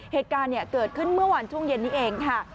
เหตุการณ์เกิดขึ้นเมื่อวานช่วงเย็นนี้เองค่ะ